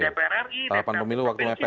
dpr ri dpr kppt dan dpr kabupaten kota